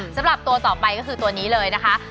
สำหรับตัวต่อไปก็คือตัวนี้เลยนะคะ